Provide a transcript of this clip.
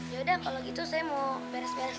yaudah kalau gitu saya mau meres meres lagi